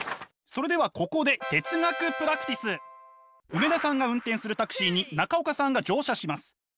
梅田さんが運転するタクシーに中岡さんが乗車します。